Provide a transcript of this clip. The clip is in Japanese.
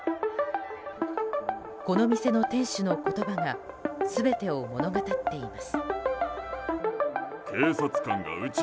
この店の店主の言葉が全てを物語っています。